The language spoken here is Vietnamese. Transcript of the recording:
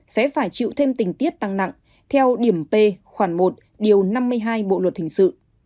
sẽ phải chịu thêm tình tiết tăng nặng theo điểm p khoảng một điều năm mươi hai bộ luật hình sự